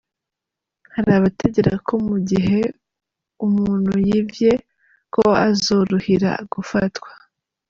Hari abategera ko mu gihe umuntu yivye ko azoruhira gufatwa.